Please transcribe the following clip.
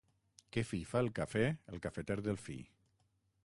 Que fi fa el cafè el cafeter Delfí!